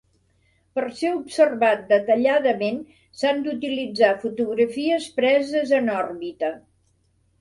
Per ser observat detalladament s'han d'utilitzar fotografies preses en òrbita.